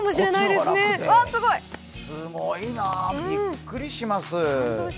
すごいな、びっくりします。